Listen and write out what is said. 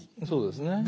そうですね。